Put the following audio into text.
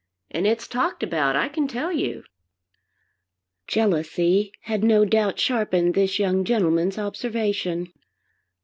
And it's talked about, I can tell you." Jealousy had no doubt sharpened this young gentleman's observation.